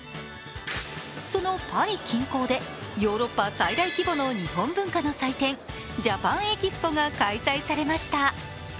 そのパリ近郊で、ヨーロッパ最大規模のジャパンエキスポが開催されました。